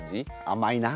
あまいな。